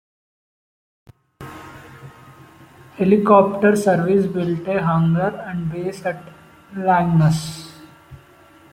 Helikopter Service built a hangar and base at Langnes.